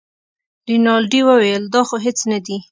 رینالډي وویل دا خو هېڅ نه دي.